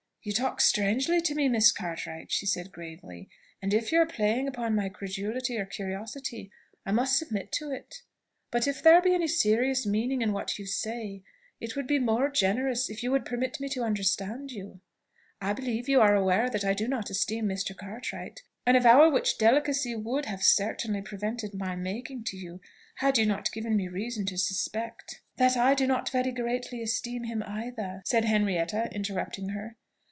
"You talk strangely to me, Miss Cartwright," said she gravely; "and if you are playing upon my credulity or curiosity, I must submit to it. But if there be any serious meaning in what you say, it would be more generous if you would permit me to understand you. I believe you are aware that I do not esteem Mr. Cartwright: an avowal which delicacy would have certainly prevented my making to you, had you not given me reason to suspect "" That I do not very greatly esteem him either," said Henrietta, interrupting her.